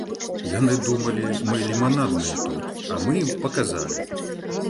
Яны думалі, мы ліманадныя тут, а мы ім паказалі!